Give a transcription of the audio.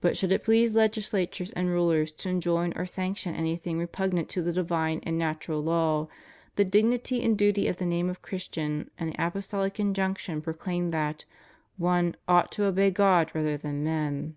But should it please legislators and rulers to enjoin or sanction anything repugnant to the divine and natura} law, the dignity and duty of the name of Christian and the Apostolic injunction proclaim that one ought to obey God rather than men.